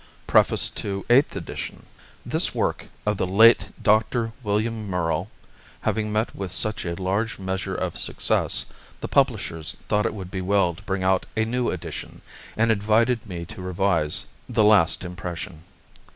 PREFACE TO EIGHTH EDITION This work of the late Dr. William Murrell having met with such a large measure of success, the publishers thought it would be well to bring out a new edition, and invited me to revise the last impression.